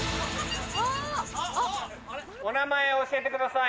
お名前を教えてください。